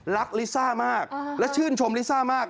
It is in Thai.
ลิซ่ามากและชื่นชมลิซ่ามาก